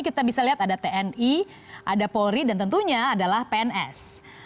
kita bisa lihat ada tni ada polri dan tentunya adalah pns